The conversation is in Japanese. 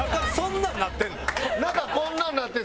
中こんなんなってる。